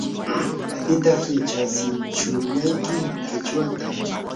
¿pitaq yachatsishurqayki qichwata?